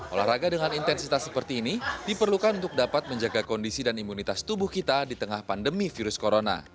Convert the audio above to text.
olahraga dengan intensitas seperti ini diperlukan untuk dapat menjaga kondisi dan imunitas tubuh kita di tengah pandemi virus corona